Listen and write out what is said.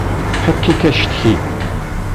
Fakk-ik acetki!